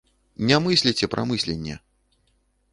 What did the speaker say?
Не мысліце пра мысленне.